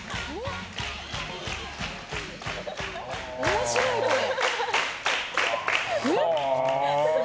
面白いこれ。